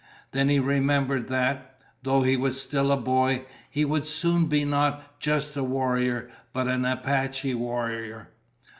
Then he remembered that, though he was still a boy, he would soon be not just a warrior but an Apache warrior.